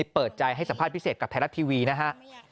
เปิดใจให้สัมภาษณ์พิเศษกับไทยรัฐทีวีนะฮะ